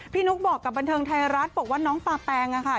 นุ๊กบอกกับบันเทิงไทยรัฐบอกว่าน้องปาแปงค่ะ